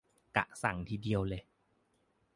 กะสั่งทีเดียวเลย